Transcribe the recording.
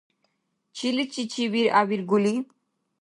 Чили чи виргӏявиргули?